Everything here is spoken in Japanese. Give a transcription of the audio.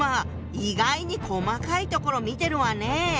意外に細かいところ見てるわね！